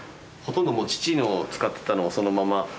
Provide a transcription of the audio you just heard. ほとんどもう父の使ってたのをそのまま。